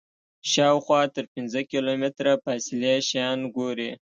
شاوخوا تر پنځه کیلومتره فاصلې شیان ګوري.